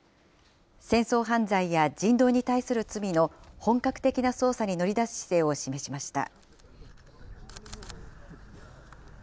戦争犯罪や人道に対する罪の本格的な捜査に乗り出す姿勢を示しました。